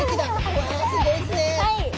うわすギョいですね。